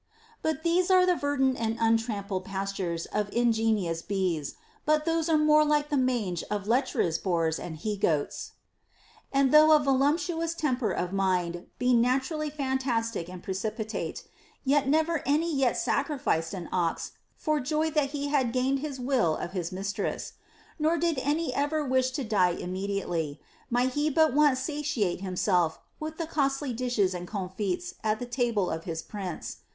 t But these are the verdant and untrampled pastures of in genious bees ; but those are more like the mange of lech erous boars and he goats. And though a voluptuous temper of mind be naturally fantastic and precipitate, yet * From the Thamyras of Sophocles, Frag. 225. t Eurip. Hippol. 75. 174: PLEASURE NOT ATTAINABLE never any yet sacrificed an ox for joy that he had gained his will of his mistress ; nor did any ever wish to die im mediately, might he but once satiate himself with the costly dishes and comfits at the table of his prince.